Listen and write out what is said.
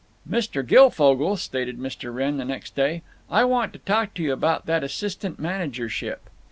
"Mr. Guilfogle," stated Mr. Wrenn, next day, "I want to talk to you about that assistant managership."